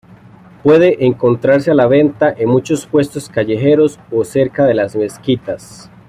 Puede encontrarse a la venta en muchos puestos callejeros o cerca de las mezquitas.